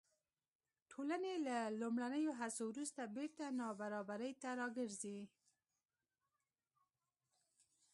ټولنې له لومړنیو هڅو وروسته بېرته نابرابرۍ ته راګرځي.